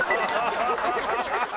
ハハハハ！